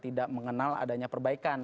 tidak mengenal adanya perbaikan